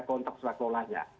kontrak setelah kelola nya